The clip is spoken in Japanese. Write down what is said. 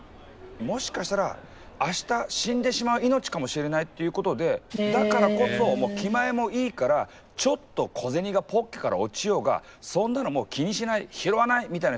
もしかしたら明日死んでしまう命かもしれないということでだからこそ気前もいいからちょっと小銭がポッケから落ちようがそんなのもう気にしない拾わないみたいな人が多かったの。